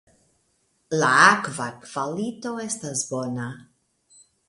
La akva kvalito estas bona.